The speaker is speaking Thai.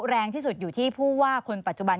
แรงที่สุดอยู่ที่ผู้ว่าคนปัจจุบัน